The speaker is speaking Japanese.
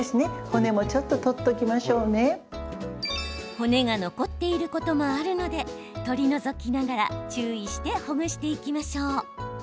骨が残っていることもあるので取り除きながら注意してほぐしていきましょう。